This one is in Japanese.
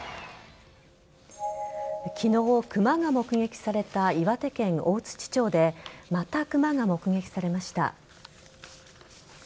昨日、クマが目撃された岩手県大槌町でまたクマが目撃されました。